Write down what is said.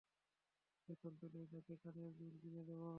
বেতন পেলেই তোকে কানের দুল কিনে দেবো।